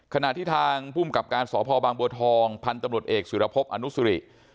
ขณะที่ทางภูมิกับการณ์ศพบางบทพันธุ์ตำรดเอกสึรภพอนุสริ